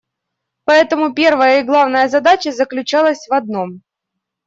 Поэтому первая и главная задача заключалась в одном.